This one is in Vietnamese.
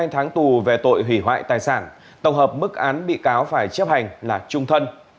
một mươi hai tháng tù về tội hủy hoại tài sản tổng hợp bức án bị cáo phải chấp hành là trung thân